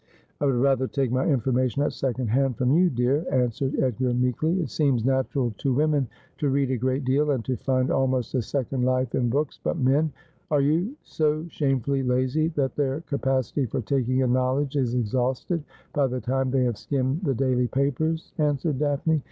' I would rather take my information at second hand from you, dear,' answered Edgar meekly. ' It seems natural to women to read a great deal, and to find almost a second life in books, but men '' Are so shamefully lazy that their capacity for taking in knowledge is exhausted by the time they have skimmed the daily papers,' answered Daphne.